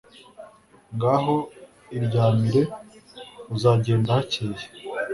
ngaho iryamire, uzagenda hakeye